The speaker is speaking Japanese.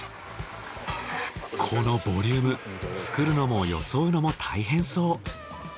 このボリューム作るのもよそうのも大変そう。